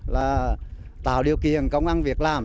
là tạo điều kiện công an việc làm